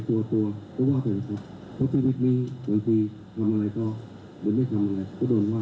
ผมทำสิ่งที่ถูกต้องดีกว่าครับ